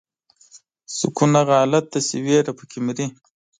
سکون هغه حالت دی چې ویره پکې مري.